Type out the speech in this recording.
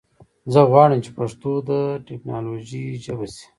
زه غواړم چې پښتو د ټکنالوژي ژبه شي.